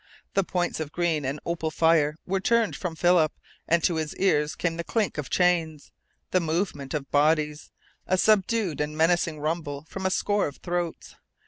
The points of green and opal fire were turned from Philip, and to his ears came the clink of chains, the movement of bodies, a subdued and menacing rumble from a score of throats.